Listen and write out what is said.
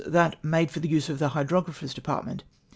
that 'made for the use of the Hydrographer's departrnxCut.'